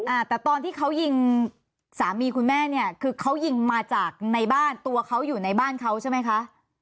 อ่าแต่ตอนที่เขายิงสามีคุณแม่เนี่ยคือเขายิงมาจากในบ้านตัวเขาอยู่ในบ้านเขาใช่ไหมคะ